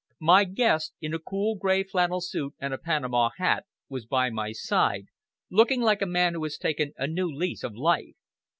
My guest, in a cool grey flannel suit and a Panama hat, was by my side, looking like a man who has taken a new lease of life.